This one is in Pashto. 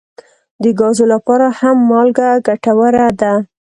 د ګازو لپاره هم مالګه ګټوره ده.